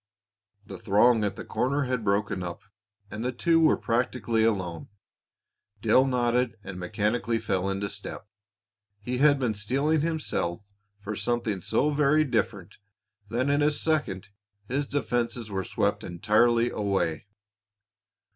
The throng at the corner had broken up, and the two were practically alone. Dale nodded and mechanically fell into step. He had been steeling himself for something so very different that in a second his defenses were swept entirely away.